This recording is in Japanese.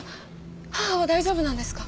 母は大丈夫なんですか？